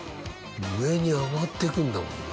上に上がっていくんだもんな。